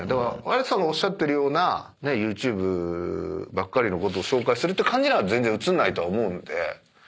有田さんがおっしゃってるようなＹｏｕＴｕｂｅばっかりのことを紹介するって感じには全然映んないとは思うんで。